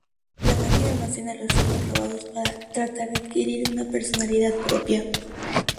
La Máquina almacena los sueños robados para tratar de adquirir una personalidad propia.